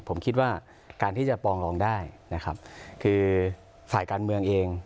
ผมคิดว่าการที่จะปองรองได้นะครับคือฝ่ายการเมืองเอง